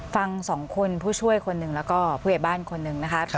ฟัง๒คนผู้ช่วยคนนึงแล้วก็ผู้เหตุบ้านคนนึงนะคะ